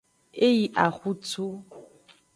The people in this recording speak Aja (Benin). E yi axutu.